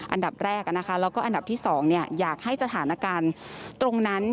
อันดับแรกแล้วก็อันดับที่๒อยากให้สถานการณ์ตรงนั้น